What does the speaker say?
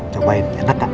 cobain enak gak